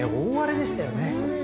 大荒れでしたよね。